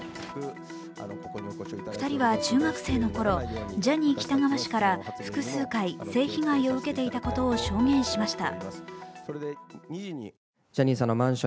２人は中学生のころジャニー喜多川氏から複数回、性被害を受けていたことを証言しました。